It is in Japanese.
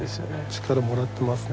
力もらってますね